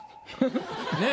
ねえ。